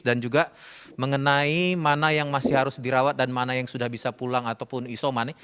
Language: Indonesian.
dan juga mengenai mana yang masih harus dirawat dan mana yang sudah bisa pulang ataupun isoman